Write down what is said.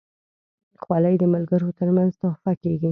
خولۍ د ملګرو ترمنځ تحفه کېږي.